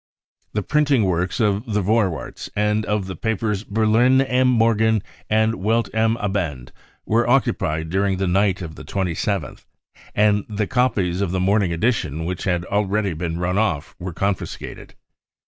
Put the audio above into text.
The printing works of the Vorwaerts and £>f the papers Berlin am Morgen and Welt am Abend were occupied during the night of the 27th, and the copies of the morning edition which had already been run off were confiscated.